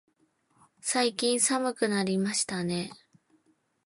最近寒くなりましたね。